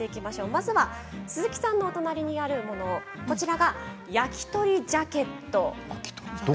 まずは鈴木さんの隣にあるのがこちらは焼き鳥ジャケット。